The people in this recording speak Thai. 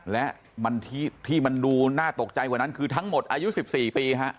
และที่มันดูน่าตกใจกว่านั้นคือทั้งหมดอายุ๑๔ปีฮะ